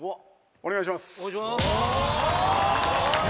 お願いします。